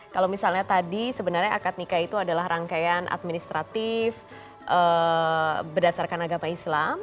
kalau misalnya tadi sebenarnya akad nikah itu adalah rangkaian administratif berdasarkan agama islam